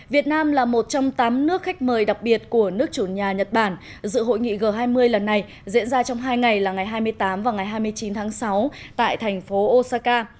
việt nam là một trong tám nước khách mời đặc biệt của nước chủ nhà nhật bản dự hội nghị g hai mươi lần này diễn ra trong hai ngày là ngày hai mươi tám và ngày hai mươi chín tháng sáu tại thành phố osaka